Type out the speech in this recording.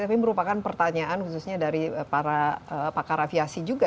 tapi merupakan pertanyaan khususnya dari para pakar aviasi juga